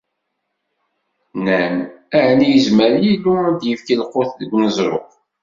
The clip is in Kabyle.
Nnan: "Ɛni yezmer Yillu ad d-ifk lqut deg uneẓruf?"